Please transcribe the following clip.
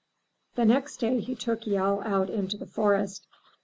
The next day he took Yehl out into the forest.